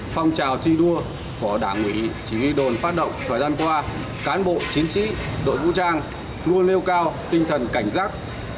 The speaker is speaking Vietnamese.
phong trào thi đua của đảng ủy chỉ huy đồn phát động thời gian qua cán bộ chiến sĩ đội vũ trang luôn nêu cao tinh thần cảnh giác